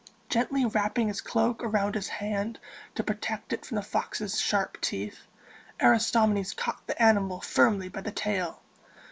Gently wrapping his cloak around his hand to protect it from the fox's sharp teeth, Aristomenes caught the animal firmly by the tail.